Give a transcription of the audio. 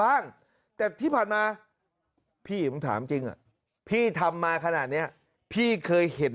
บ้างแต่ที่ผ่านมาพี่ผมถามจริงอ่ะพี่ทำมาขนาดนี้พี่เคยเห็น